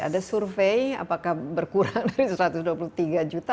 ada survei apakah berkurang dari satu ratus dua puluh tiga juta